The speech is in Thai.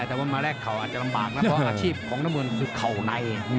แต่ว่ามาแรกเข่าอาจจะลำบากนะเพราะอาชีพของน้ำเงินคือเข่าใน